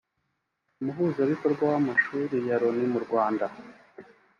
Umuhuzabikorwa w’amashami ya Loni mu Rwanda